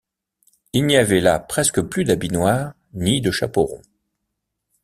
Il n’y avait là presque plus d’habits noirs ni de chapeaux ronds.